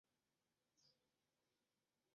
কন্যা ফারজানা পপি, একটি কোরিয়ান স্কুলের শিক্ষক।